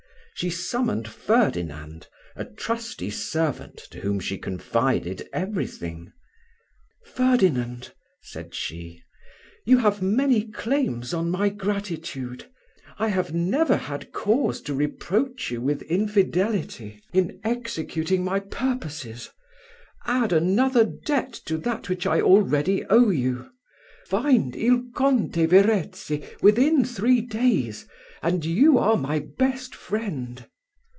She summoned Ferdinand, a trusty servant, to whom she confided every thing. "Ferdinand," said she, "you have many claims on my gratitude: I have never had cause to reproach you with infidelity in executing my purposes add another debt to that which I already owe you: find Il Conte Verezzi within three days, and you are my best friend."